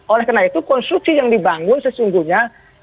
oleh karena itu konstruksi yang dibangun sesungguhnya